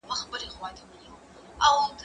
زه به اوږده موده د لوبو لپاره وخت نيولی وم؟!